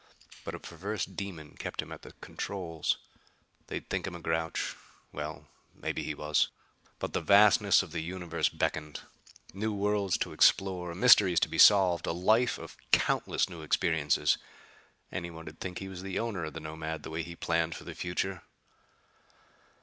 But a perverse demon kept him at the controls. They'd think him a grouch. Well, maybe he was! But the vastness of the universe beckoned. New worlds to explore; mysteries to be solved; a life of countless new experiences! Anyone'd think he was the owner of the Nomad, the way he planned for the future.